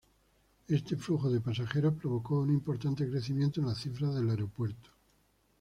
Este flujo de pasajeros provocó un importante crecimiento en las cifras del aeropuerto.